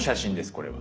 これは。